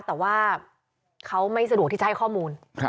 แต่ว่าเขาไม่สะดวกที่จะให้ข้อมูล